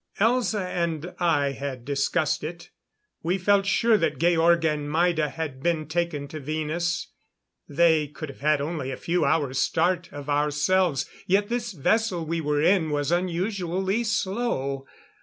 Elza and I had discussed it. We felt sure that Georg and Maida had been taken to Venus. They could have had only a few hours' start of ourselves. Yet this vessel we were in was unusually slow.